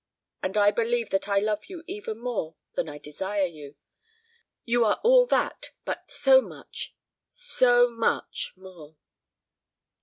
And I believe that I love you even more than I desire you. You are all that, but so much so much more."